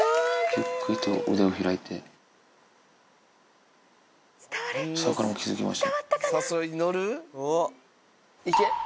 ゆっくりと腕を開いて、サクラも気付きました。